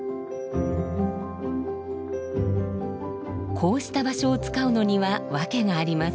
こうした場所を使うのにはわけがあります。